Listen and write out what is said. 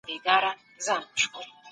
موږ يو لرغونی او وياړلی تاريخ لرو.